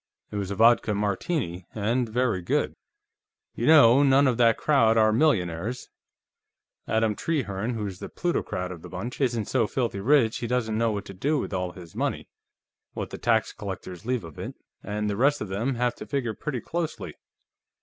It was a vodka Martini, and very good. "You know, none of that crowd are millionaires. Adam Trehearne, who's the plutocrat of the bunch, isn't so filthy rich he doesn't know what to do with all his money what the tax collectors leave of it and the rest of them have to figure pretty closely.